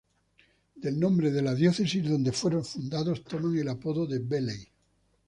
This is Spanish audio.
Del nombre de la diócesis donde fueron fundados toman el apodo de Belley.